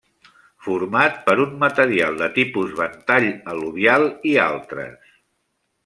Format per un material de tipus ventall al·luvial i altres.